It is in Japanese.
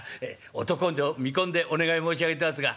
男と見込んでお願い申し上げてますが」。